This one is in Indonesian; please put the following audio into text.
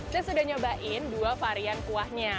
saya sudah nyobain dua varian kuahnya